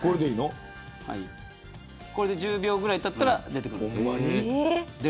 これで１０秒ぐらいたったら出てくる。